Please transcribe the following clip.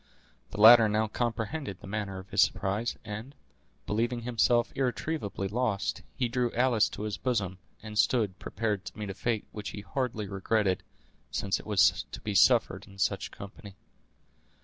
The latter now comprehended the manner of his surprise, and, believing himself irretrievably lost, he drew Alice to his bosom, and stood prepared to meet a fate which he hardly regretted, since it was to be suffered in such company.